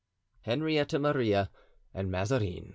Henrietta Maria and Mazarin.